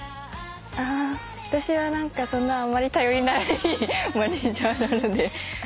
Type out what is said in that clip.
あ私は何かそんなあんまり頼りないマネジャーなので。